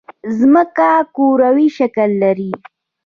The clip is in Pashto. ځمکه کوروي شکل لري